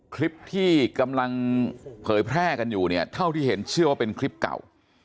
คลิปที่กำลังเผยแพร่กันอยู่เนี่ยเท่าที่เห็นเชื่อว่าเป็นคลิปเก่า